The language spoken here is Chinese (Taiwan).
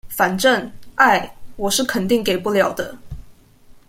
反正，愛，我是肯定給不了的